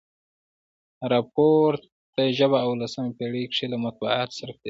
راپورتاژپه اوولسمه پیړۍ کښي له مطبوعاتو سره پیل سوی.